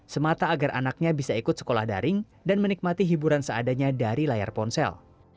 semata agar anaknya bisa ikut sekolah daring dan menikmati hiburan seadanya dari layar ponsel